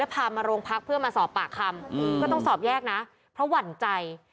แล้วพามาโรงพรรคเพื่อมาสอบปากคำ